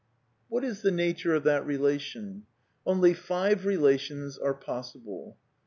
4 What is the nature of that relation t Only five r elations are possible.